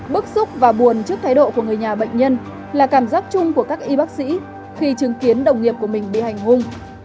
bức xúc và buồn trước thái độ của người nhà bệnh nhân là cảm giác chung của các y bác sĩ khi chứng kiến đồng nghiệp của mình bị hành hung